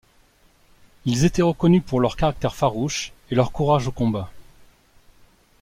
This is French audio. Ils étaient reconnus pour leur caractère farouche et leur courage au combat.